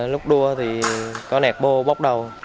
lúc đua thì có nẹt bô bóc đầu